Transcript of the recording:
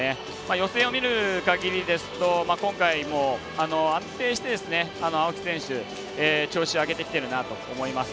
予選を見るかぎりですと今回も安定して青木選手、調子を上げてきてるなと思います。